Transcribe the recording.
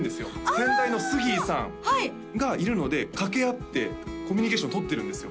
先代のスギーさんがいるので掛け合ってコミュニケーションとってるんですよ